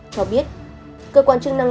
cho biết cơ quan chức năng